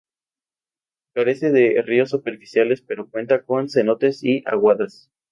Carece de ríos superficiales, pero cuenta con cenotes y aguadas.